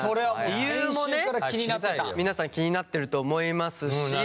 理由もね皆さん気になってると思いますし。